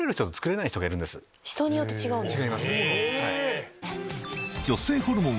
人によって違うんですか。